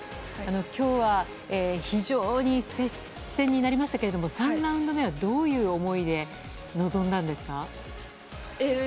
今日は非常に接戦になりましたけど３ラウンド目はどういう思いで臨んだんですか。